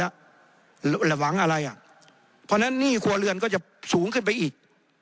หวังอะไรอ่ะเพราะฉะนั้นหนี้ครัวเรือนก็จะสูงขึ้นไปอีก